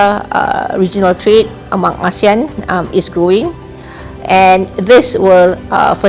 pembelajaran intrarasional di asia akan berkembang dan ini akan memperlukan integrasi ekonomi yang lebih besar